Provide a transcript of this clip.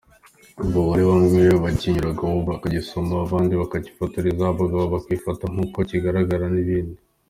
Abagore bamwe bakinyuragaho bakagisoma, abandi bakacyifotorerezaho, abagabo bakifata nk’uko kigaragara n’ibindi.